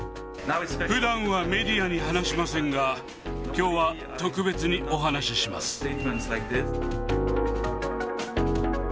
ふだんはメディアに話しませんが、きょうは特別にお話しします。